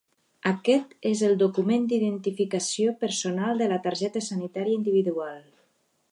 Aquest és el document d'identificació personal de la targeta sanitària individual.